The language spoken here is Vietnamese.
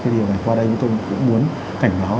điều này qua đây chúng tôi cũng muốn cảnh báo